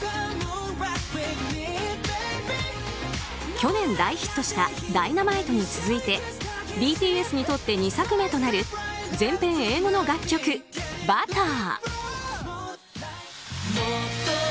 去年大ヒットした「Ｄｙｎａｍｉｔｅ」に続いてＢＴＳにとって２作目となる全編英語の楽曲「Ｂｕｔｔｅｒ」。